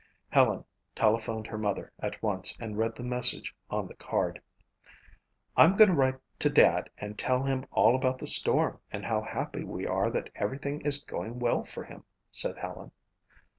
Helen telephoned her mother at once and read the message on the card. "I'm going to write to Dad and tell him all about the storm and how happy we are that everything is going well for him," said Helen.